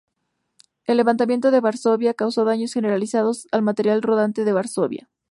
El Levantamiento de Varsovia causó daños generalizados al material rodante de Varsovia.